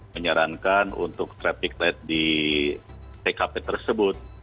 menyarankan untuk traffic light di tkp tersebut